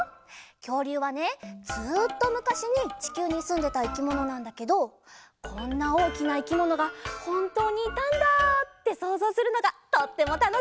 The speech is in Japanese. きょうりゅうはねずっとむかしにちきゅうにすんでたいきものなんだけどこんなおおきないきものがほんとうにいたんだってそうぞうするのがとってもたのしいんだ！